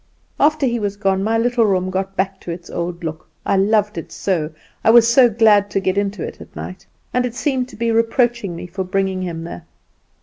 "After he was gone my little room got back to its old look. I loved it so; I was so glad to get into it at night, and it seemed to be reproaching me for bringing him there.